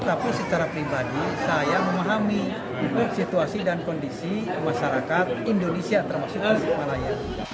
tapi secara pribadi saya memahami situasi dan kondisi masyarakat indonesia termasuk tasik malaya